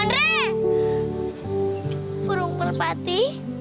andrei burung merpati